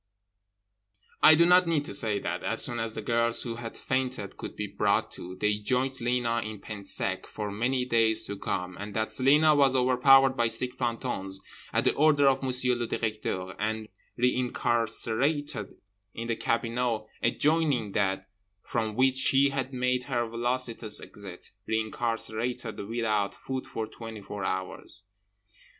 I do not need to say that, as soon as the girls who had fainted could be brought to, they joined Lena in pain sec for many days to come; and that Celina was overpowered by six plantons—at the order of Monsieur le Directeur—and reincarcerated in the cabinot adjoining that from which she had made her velocitous exit—reincarcerated without food for twenty four hours.